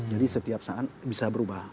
jadi setiap saat bisa berubah